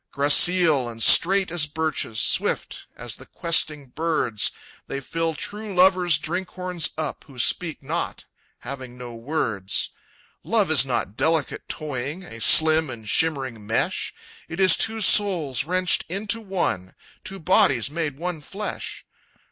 "Gracile and straight as birches, Swift as the questing birds, They fill true lovers' drink horns up, Who speak not, having no words. "Love is not delicate toying, A slim and shimmering mesh; It is two souls wrenched into one, Two bodies made one flesh.